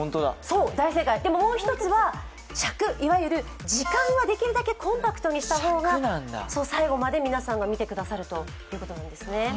でももう一つは尺、いわゆる時間はできるだけコンパクトにした方が最後まで皆さんが見てくださるということです。